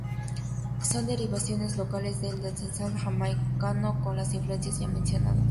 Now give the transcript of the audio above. Son derivaciones locales del dancehall jamaicano, con las influencias ya mencionadas.